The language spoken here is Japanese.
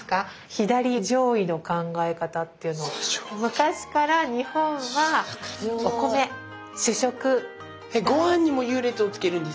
昔から日本はお米主食。